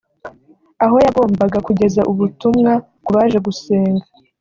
aho yagombaga kugeza ubutumwa ku baje gusenga